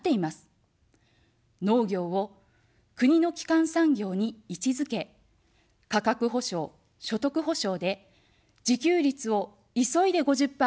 農業を国の基幹産業に位置づけ、価格補償、所得補償で自給率を急いで５０％に戻します。